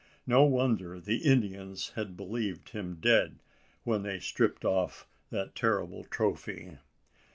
No wonder the Indians had believed him dead, when they stripped off that terrible trophy!